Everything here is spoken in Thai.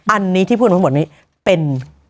อันนี้ที่พูดมาหมดนี้เป็น